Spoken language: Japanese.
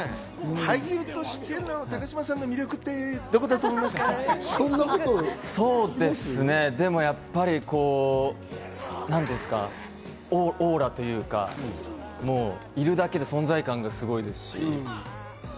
俳優としての高嶋さんの魅力はどういうところだと思いますか？なんて言うんですか、オーラというか、いるだけで存在感がすごいですし。